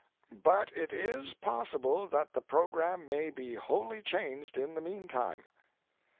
"But it is possible that the programme may be wholly changed in the mean time."